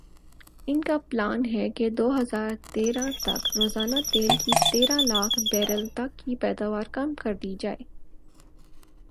ان کا پلان ھے کہ دو ہزار تیرہ تک روزانہ تیل کی تیرہ لاکھ بیرل تک کی پیداوار کم کر دی جائے